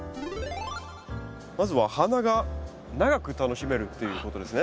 まずは花が長く楽しめるっていうことですね。